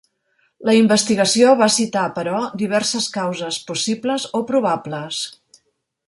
La investigació va citar, però, diverses causes possibles o probables.